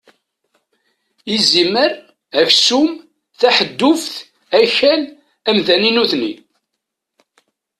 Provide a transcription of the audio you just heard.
Izimer, aksum, taḥedduft, akal, amdan i nutni.